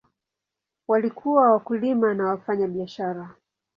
Walikuwa wakulima na wafanyabiashara.